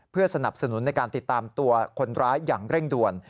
เพื่อสนับสนุนในการติดตามตัวคนร้ายอย่างเร่งด่วน